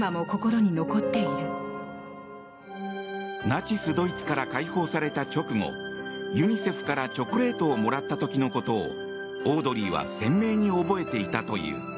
ナチスドイツから解放された直後、ユニセフからチョコレートをもらった時のことをオードリーは鮮明に覚えていたという。